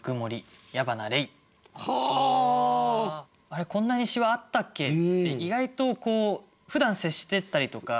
「あれこんなにしわあったっけ？」って意外とふだん接してたりとか